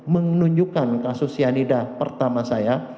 menunjukkan kasus cyanida pertama saya